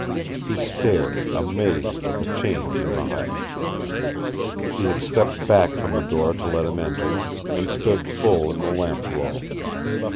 He stared, amazed at the change in Marette. She had stepped back from the door to let him enter, and stood full in the lamp glow.